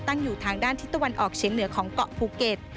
อยู่ทางด้านทิศตะวันออกเฉียงเหนือของเกาะภูเก็ต